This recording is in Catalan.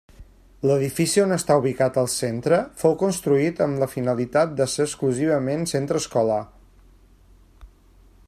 L'edifici on està ubicat el centre fou construït amb la finalitat d'ésser exclusivament centre escolar.